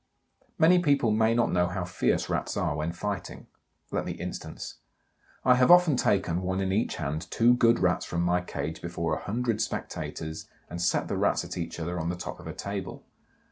Many people may not know how fierce Rats are when fighting. Let me instance. I have often taken, one in each hand, two good Rats from my cage before a hundred spectators and set the Rats at each other on the top of a table.